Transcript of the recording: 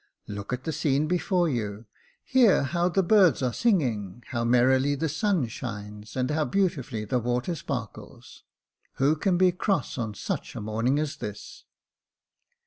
Look at the scene before you — hear how the birds are singing, how merrily Jacob Faithful 265 the sun shines, and how beautifully the water sparkles ! Who can be cross on such a morning as this